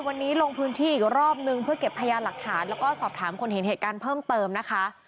วันนี้ลงพื้นที่อีกรอบนึงเพื่อเก็บพยานหลักฐานแล้วก็สอบถามคนเห็นเหตุการณ์เพิ่มเติมนะคะ